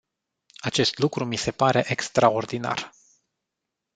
Acest lucru mi se pare extraordinar.